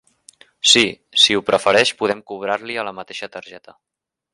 Sí, si ho prefereix podem cobrar-li a la mateixa targeta.